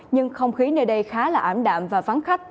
nhưng không khí nơi đây khá là ảm đạm và vắng khách